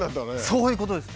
そういうことですね。